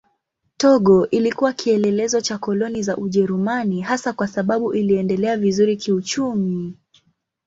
Togo ilikuwa kielelezo cha koloni za Ujerumani hasa kwa sababu iliendelea vizuri kiuchumi.